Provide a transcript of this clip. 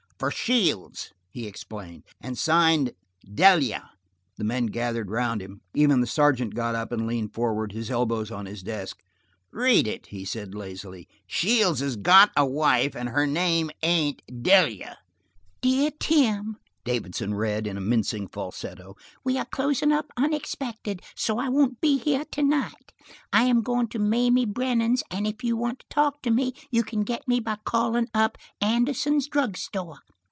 "For Shields!" he explained, "and signed 'Delia.'" The men gathered around him, even the sergeant got up and leaned forward, his elbows on his desk. "Read it," he said lazily. "Shields has got a wife, and her name ain't Delia." "Dear Tim," Davidson read, in a mincing falsetto, "We are closing up unexpected, so I won't be here tonight. I am going to Mamie Brennan's and if you want to talk to me you can get me by calling up Anderson's drug store.